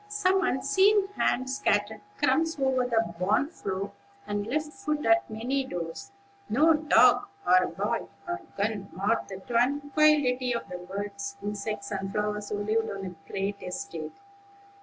Some unseen hand scattered crumbs over the barn floor, and left food at many doors. No dog or boy or gun marred the tranquillity of the birds, insects, and flowers who lived on the great estate.